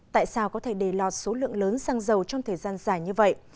tại sao có thể đề lọt số lượng lớn xăng dầu trong thời gian dài như vậy